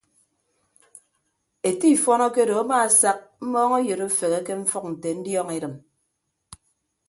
Ete ifọn akedo amaasak mmọọñọyịd afeghe ke mfʌk nte ndiọñ edịm.